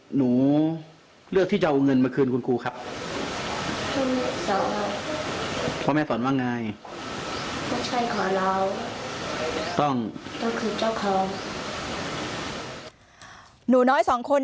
หนูน้อย๒คนนี้ก็คือเด็กชายนวพลสุขเสรีโสพล